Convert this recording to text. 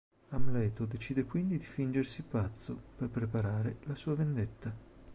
Amleto decide quindi di fingersi pazzo per preparare la sua vendetta.